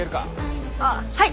あっはい。